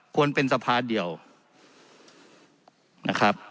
ควรเป็นสภาเดียวนะครับ